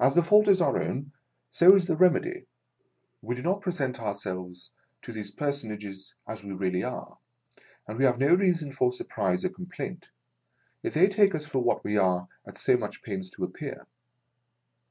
As the fault is our own, so is the remedy. We do not present ourselves to these personages as we really are, and we have no reason for surprise or complaint, if they take us for what we are at so much pains to appear.